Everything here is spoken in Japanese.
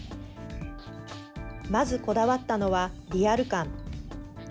まずこだわったのは、リアル感。